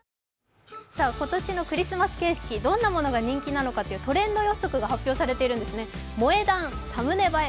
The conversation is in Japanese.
今年のクリスマスケーキ、どんなものが人気なのかというトレンド予測が発表されているんです。